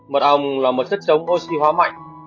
mật ong là một chất chống oxy hóa mạnh